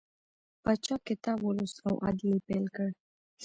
پاچا کتاب ولوست او عدل یې پیل کړ.